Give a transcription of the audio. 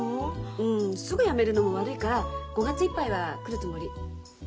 うんすぐ辞めるのも悪いから５月いっぱいは来るつもり。